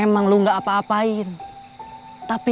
karena juga lui batas